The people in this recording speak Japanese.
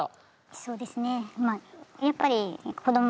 そうですね。